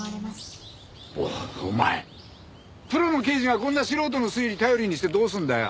おいお前プロの刑事がこんな素人の推理頼りにしてどうすんだよ！